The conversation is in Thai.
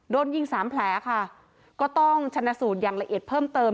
โดนยิงสามแผลค่ะก็ต้องชนะสูตรอย่างละเอียดเพิ่มเติม